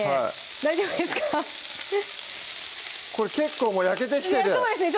大丈夫ですかこれ結構もう焼けてきてるそうですね